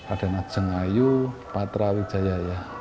adana jengayu patrawi jaya